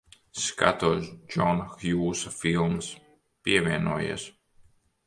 Skatos Džona Hjūsa filmas. Pievienojies.